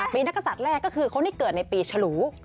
ปีนักศัตริย์แรกก็คือคนที่เกิดในปีฉลู